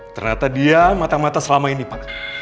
ternyata dia matang mata selama ini pak